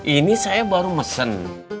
ini saya baru mesen